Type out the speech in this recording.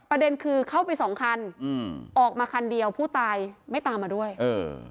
ประเด็นคือเข้าไปสองคันอืมออกมาคันเดียวผู้ตายไม่ตามมาด้วยเออ